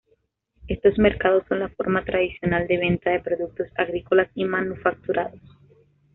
Estos mercados son la forma tradicional de venta de productos agrícolas y manufacturados.